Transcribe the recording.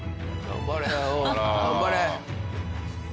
頑張れ！